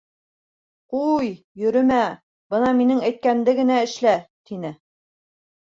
Ҡуй, йөрөмә, бына минең әйткәнде генә эшлә, тине.